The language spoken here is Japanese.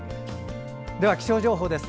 では、気象情報です。